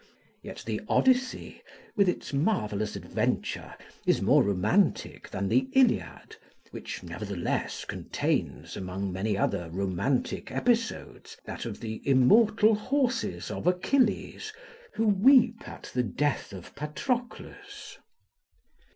Yet the Odyssey, with its marvellous adventure, is more romantic than the Iliad, which nevertheless contains, among many other romantic episodes, that of the immortal horses of Achilles, who weep at the death of Patroclus.